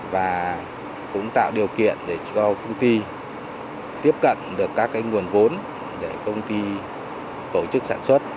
và cũng tạo điều kiện để cho công ty tiếp cận được các nguồn vốn để công ty tổ chức sản xuất